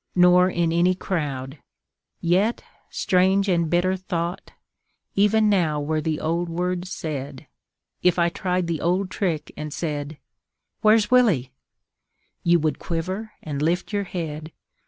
Nor in any crowd: yet, strange and bitter thought, Even now were the old words said, If I tried the old trick, and said "Where's Willy?" You would quiver and lift your head.